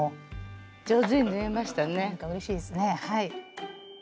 なんかうれしいですねはい。